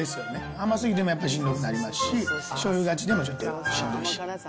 甘すぎてもやっぱりしんどくなりますし、しょうゆがちでも、ちょっとしんどいし。